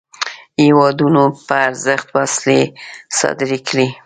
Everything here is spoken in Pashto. هیوادونو په ارزښت وسلې صادري کړې.